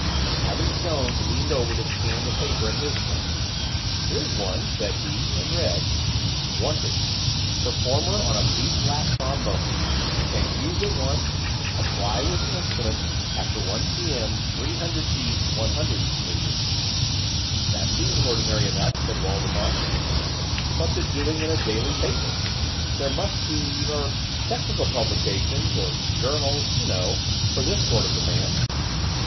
Average Jones leaned over to scan the paper in his turn. "Here's one," said he, and read: WANTED—Performer on B flat trombone. Can use at once. Apply with instrument, after 1 p. m. 300 East 100th Street. "That seems ordinary enough," said Waldemar. "What's it doing in a daily paper? There must be—er—technical publications—er—journals, you know, for this sort of demand."